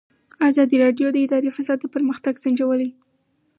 ازادي راډیو د اداري فساد پرمختګ سنجولی.